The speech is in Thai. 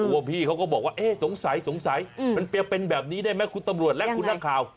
ตัวพี่เขาก็บอกว่าสงสัยมันเปรียบเป็นแบบนี้ได้ไหมคุณตำรวจและคุณนักข่าว